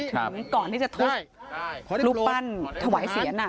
ถึงก่อนที่จะทุบรูปปั้นถวายเสียง